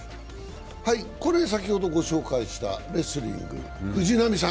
先ほどご紹介したレスリング、藤波さん